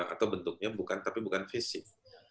atau bentuknya bukan tapi bukan fisik